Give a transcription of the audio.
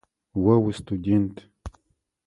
О устудэнт.